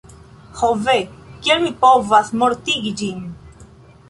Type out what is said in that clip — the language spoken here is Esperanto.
Ho ve! Kiel mi povas mortigi ĝin?